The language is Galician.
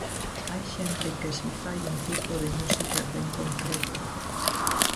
Hai xente que si fai un tipo de música ben concreto.